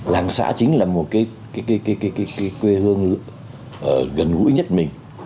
làng xã chính là một cái quê hương gần gũi nhất mình